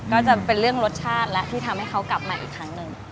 ก็จะเป็นเรื่องรสชาติแล้วที่ทำให้เขากลับมาอีกครั้งหนึ่ง